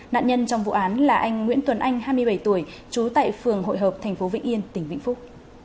nạn nhân trong vụ án là anh nguyễn tuấn anh hai mươi bảy tuổi trú tại phường hội hợp thành phố vĩnh yên tỉnh vĩnh phúc